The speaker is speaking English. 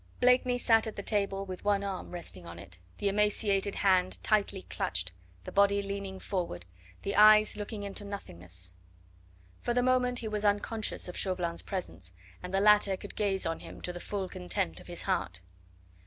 Blakeney sat at the table with one arm resting on it, the emaciated hand tightly clutched, the body leaning forward, the eyes looking into nothingness. For the moment he was unconscious of Chauvelin's presence, and the latter could gaze on him to the full content of his heart.